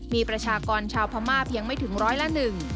มีประชากรชาวพม่าเพียงไม่ถึงร้อยละหนึ่ง